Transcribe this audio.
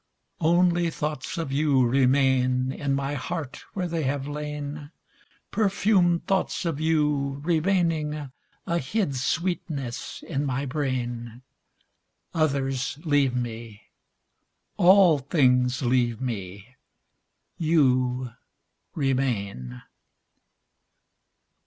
Only thoughts of you remain In my heart where they have lain. Perfumed thoughts of you, remaining, A hid sweetness, in my brain. Others leave me : all things leave me : You remain.